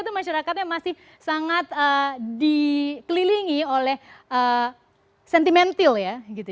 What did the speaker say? indonesia itu masyarakatnya masih sangat dikelilingi oleh sentimental ya